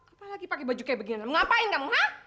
apalagi pakai baju kayak beginian ngapain kamu hah